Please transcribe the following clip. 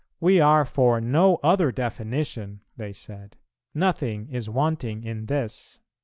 "We are for no other definition," they said; "nothing is wanting in this."